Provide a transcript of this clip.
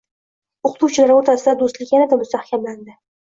O‘qituvchilari o‘rtasida do‘stlik yanada mustahkamlandi.